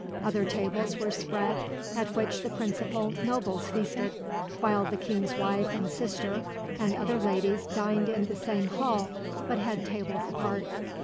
Other tables were spread at which the principal nobles feasted, while the king's wife and sister and other ladies dined in the same hall, but had tables apart.